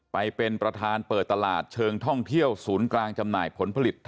ไปเป็นประธานเปิดตลาดเชิงท่องเที่ยวศูนย์กลางจำหน่ายผลผลิต